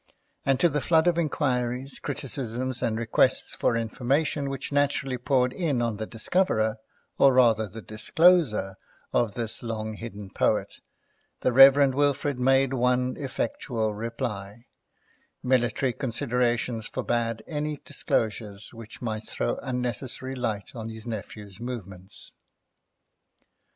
And to the flood of inquiries, criticisms, and requests for information, which naturally poured in on the discoverer, or rather the discloser, of this long hidden poet, the Rev. Wilfrid made one effectual reply: Military considerations forbade any disclosures which might throw unnecessary light on his nephew's movements.